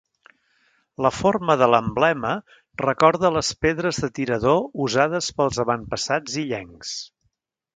La forma de l'emblema recorda les pedres de tirador usades pels avantpassats illencs.